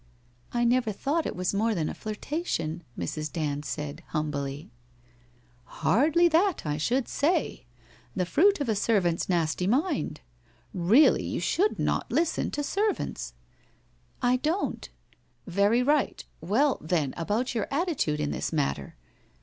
' 1 never thought it was more than a flirtation,' Mrs. Dand said humbly. ' Hardly that, I should say. The fruit of a servant's nasty mind. Really, you should not listen to servants/ 1 1 don't.' ' Very right. Well, then, about your attitude in this matter.'